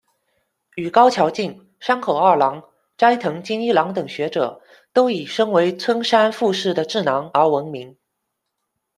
与高桥进、山口二郎、斋藤精一郎等学者都以身为村山富市的智囊而闻名。